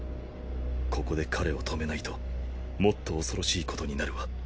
ここで彼を止めないともっと恐ろしいことになるわ。